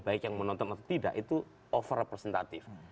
baik yang menonton atau tidak itu over representatif